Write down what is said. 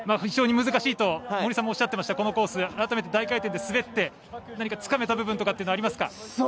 非常に難しいと森井さんもおっしゃっていたこのコース、改めて大回転で滑って何かつかめた部分とかはありますか。